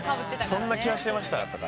そんな気はしてました。